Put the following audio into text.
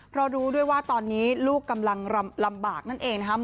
เพราะรู้ด้วยว่าตอนนี้ลูกกำลังลำบากนั่นเองนะครับ